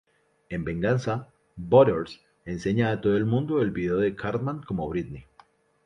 En venganza, Butters enseña a todo el mundo el video de Cartman como Britney.